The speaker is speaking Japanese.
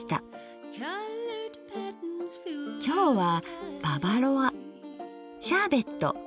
今日は「ババロア」「シャーベット」！